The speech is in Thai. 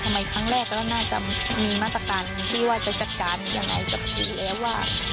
ครั้งแรกแล้วน่าจะมีมาตรการที่ว่าจะจัดการยังไงกับคิวแล้วว่า